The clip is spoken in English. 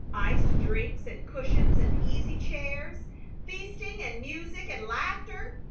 Iced drinks and cushions and easy chairs, feasting and music and laughter!